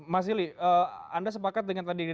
mas ili anda sepakat dengan tadi